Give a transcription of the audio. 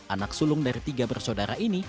anak sulung dari tiga bersaudara ini